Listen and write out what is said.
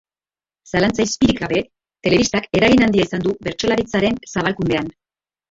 Zalantza-izpirik gabe, telebistak eragin handia izan du bertsolaritzaren zabalkundean.